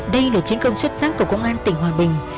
đây là chiến công xuất sắc của công an tỉnh hòa bình